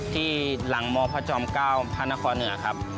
ที่หลังมพค๙พคเนื้อครับ